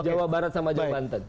jawa barat sama jawa banten